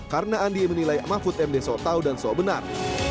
karena andi menilai mahfud md so tau dan so benar